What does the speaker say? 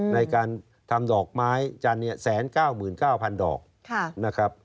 ในการทำดอกไม้จันเนี่ยแสนเก้าหมื่นเก้าพันดอกค่ะนะครับ